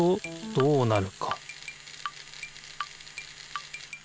どうなる？